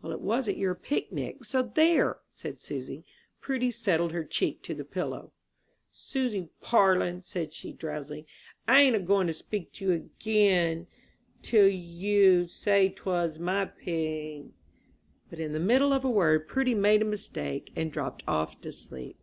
"Well, it wasn't your picnic so there," said Susy. Prudy settled her cheek to the pillow. "Susy Parlin," said she, drowsily, "I ain't a goin' to speak to you again till you say 'twas my pig " But in the middle of a word Prudy made a mistake and dropped off to sleep.